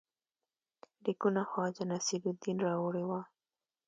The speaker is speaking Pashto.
لیکونه خواجه نصیرالدین راوړي وه.